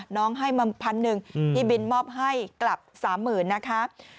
น้องให้มา๑๐๐๐บาทพี่บินมอบให้กลับ๓๐๐๐๐บาทนะคะ